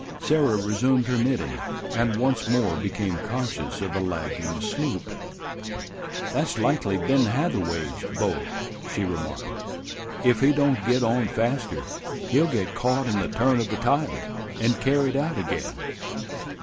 Sarah resumed her knitting, and once more became conscious of the lagging sloop. "That's likely Ben Hatherway's boat," she remarked. "If he don't get on faster, he'll get caught in the turn of the tide and carried out again."